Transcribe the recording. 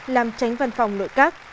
làm tránh văn phòng nội các